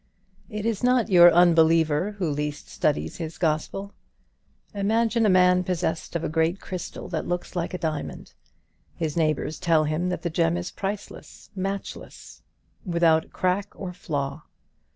"It is not your unbeliever who least studies his gospel. Imagine a man possessed of a great crystal that looks like a diamond. His neighbours tell him that the gem is priceless matchless without crack or flaw.